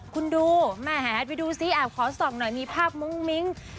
คุณดูแม่แหไปดูซิแอบขอส่องหน่อยมีภาพมุ้งมิ้ง